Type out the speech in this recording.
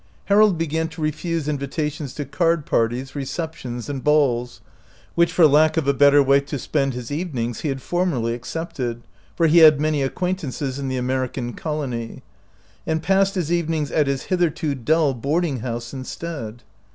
Harold began to refuse invitations to card parties, receptions, and balls, which for lack of a better way to spend his evenings he had formerly ac cepted — for he had many acquaintances in the American colony — and passed his even ings at his hitherto dull boarding house in stead.